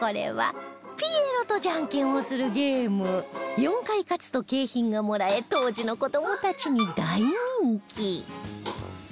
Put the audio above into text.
４回勝つと景品がもらえ当時の子どもたちに大人気